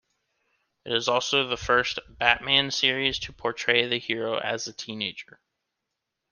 It is also the first "Batman" series to portray the hero as a teenager.